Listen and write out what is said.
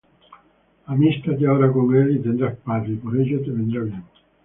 Amístate ahora con él, y tendrás paz; Y por ello te vendrá bien.